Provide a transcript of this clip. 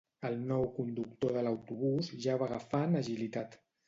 El nou conductor de l'autobús ja va agafant agilitat